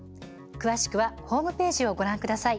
詳しくはホームページをご覧ください。